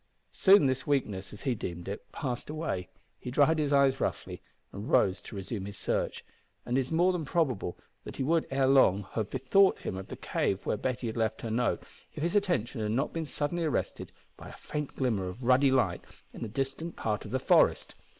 Soon this weakness, as he deemed it, passed away. He dried his eyes, roughly, and rose to resume his search, and it is more than probable that he would ere long have bethought him of the cave where Betty had left her note, if his attention had not been suddenly arrested by a faint glimmer of ruddy light in a distant part of the forest.